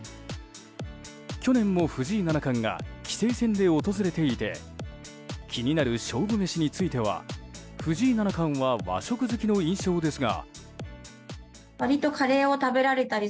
去年も藤井七冠が棋聖戦で訪れていて気になる勝負メシについては藤井七冠は和食好きの印象ですが。